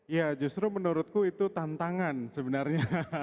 ya justru menurutku itu tantangan sebenarnya